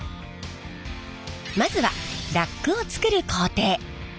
まずはラックを作る工程。